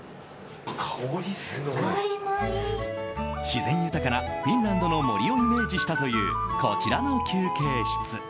自然豊かなフィンランドの森をイメージしたというこちらの休憩室。